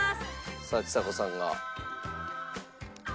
さあちさ子さんが。